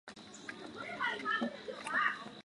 雷格尼茨洛绍是德国巴伐利亚州的一个市镇。